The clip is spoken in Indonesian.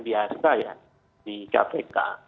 biasa ya di kpk